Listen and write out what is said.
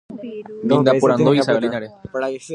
ni naporandúi Isabelinare